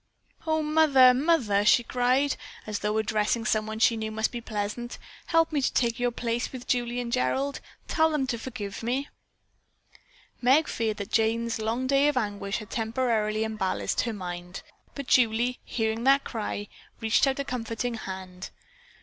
"Oh, mother, mother!" she cried, as though addressing someone she knew must be present, "help me to take your place with Julie and Gerald. Tell them to forgive me." Meg feared that Jane's long day of anguish had temporarily unbalanced her mind, but Julie, hearing that cry, reached out a comforting hand.